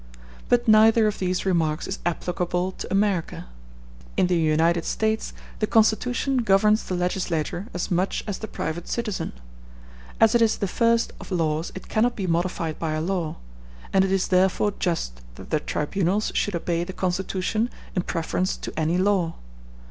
But neither of these remarks is applicable to America. In the United States the constitution governs the legislator as much as the private citizen; as it is the first of laws it cannot be modified by a law, and it is therefore just that the tribunals should obey the constitution in preference to any law.